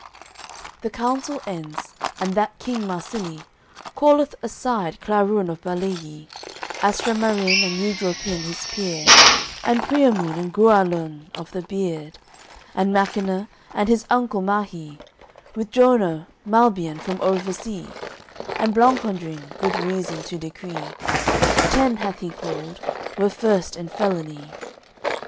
V The council ends, and that King Marsilie Calleth aside Clarun of Balaguee, Estramarin and Eudropin his peer, And Priamun and Guarlan of the beard, And Machiner and his uncle Mahee, With Jouner, Malbien from over sea, And Blancandrin, good reason to decree: Ten hath he called, were first in felony.